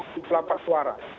tiga ratus jumlah persuara